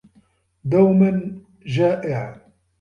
دومًا جائع.